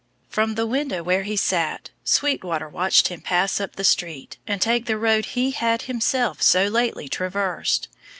From the window where he sat, Sweetwater watched him pass up the street and take the road he had himself so lately traversed.